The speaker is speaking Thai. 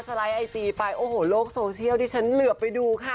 สไลด์ไอจีไปโอโหเดี๋ยวดิฉันเหลือบไปดูค่ะ